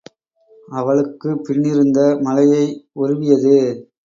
அவளுக்குப்பின்னிருந்த மலையை உருவியது.